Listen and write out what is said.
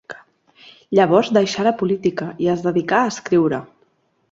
Llavors deixà la política i es dedicà a escriure.